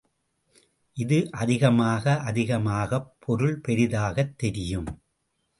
இது அதிகமாக அதிகமாகப் பொருள் பெரிதாகத் தெரியும்.